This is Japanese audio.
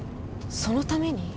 そのために？